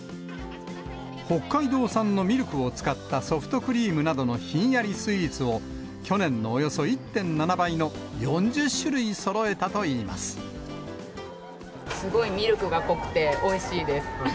北海道産のミルクを使ったソフトクリームなどのひんやりスイーツを、去年のおよそ１．７倍のすごいミルクが濃くて、おいしいです。